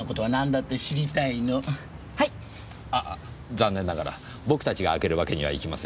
残念ながら僕たちが開けるわけにはいきません。